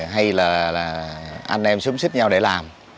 hay là anh em xúm xích nhau để làm